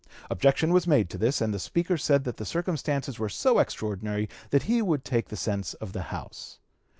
Objection was made to this, and the Speaker said that the circumstances were so extraordinary that he would take the sense of the House.